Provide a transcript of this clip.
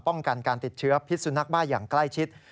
ป้องกันการติดเชื้อพิษสุนักบ้านใกล้ชิด